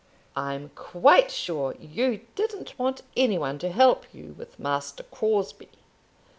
I'm quite sure you didn't want any one to help you with Master Crosbie.